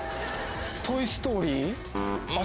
『トイ・ストーリー』？